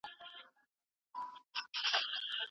څېړونکي د اثر په اړه ډېرې خبرې کړې وې.